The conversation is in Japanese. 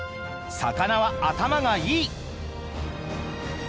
魚は頭がいい」。